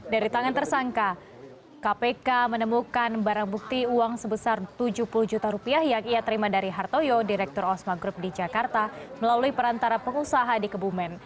dari tangan tersangka kpk menemukan barang bukti uang sebesar tujuh puluh juta rupiah yang ia terima dari hartoyo direktur osma group di jakarta melalui perantara pengusaha di kebumen